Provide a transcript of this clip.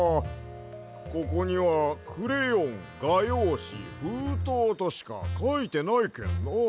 ここには「くれよんがようしふうとう」としかかいてないけんなあ。